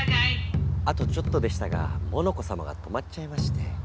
あとちょっとでしたがモノコさまが止まっちゃいまして。